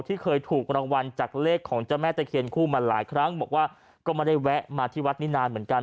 ที่เคยถูกรางวัลจากเลขของเจ้าแม่ตะเคียนคู่มาหลายครั้งบอกว่าก็ไม่ได้แวะมาที่วัดนี้นานเหมือนกัน